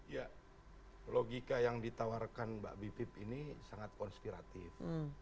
ya logika yang ditawarkan mbak bipip ini sangat konspiratif